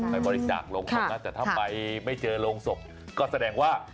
ไปบริจาคโรงศพนะแต่ถ้าไปไม่เจอโรงศพก็แสดงว่า